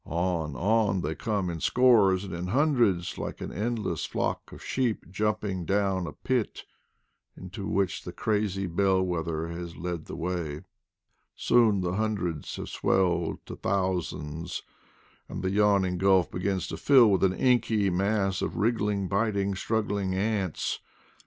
On, on they come, in scores and in hundreds, like an endless flock of sheep jumping down a pit into which the IDLE DAYS 137 crazy bell wether has led the way: soon the hun dreds have swelled to thousands, and the yawning gulf begins to fill with an inky mass of wriggling, biting, struggling ants.